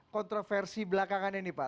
kontroversi belakangan ini pak